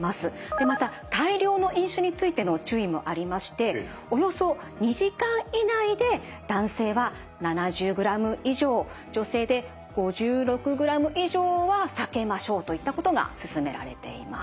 でまた大量の飲酒についての注意もありましておよそ２時間以内で男性は７０グラム以上女性で５６グラム以上は避けましょうといったことがすすめられています。